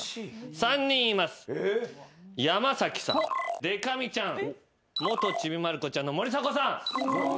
山さんでか美ちゃん元ちびまる子ちゃんの森迫さん。